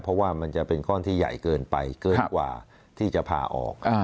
เพราะว่ามันจะเป็นก้อนที่ใหญ่เกินไปเกินกว่าที่จะพาออก